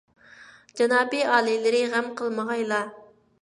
جانابىي ئالىيلىرى، غەم قىلمىغايلا.